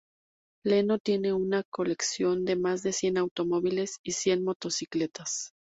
Leno tiene una colección de más de cien automóviles y cien motocicletas.